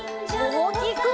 おおきく！